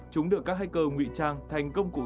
chúng được các hacker nguy trang thành công cụ